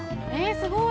すごい！